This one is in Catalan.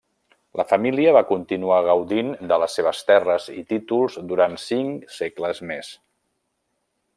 La família va continuar gaudint de les seves terres i títols durant cinc segles més.